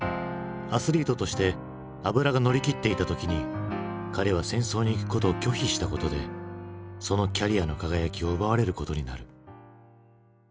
アスリートとして脂が乗りきっていた時に彼は戦争に行くことを拒否したことでそのキャリアの輝きを奪われることになる。